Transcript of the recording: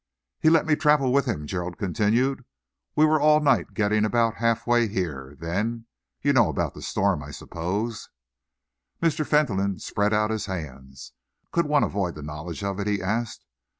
"He let me travel with him," Gerald continued. "We were all night getting about half way here. Then you know about the storm, I suppose?" Mr. Fentolin spread out his hands. "Could one avoid the knowledge of it?" he asked.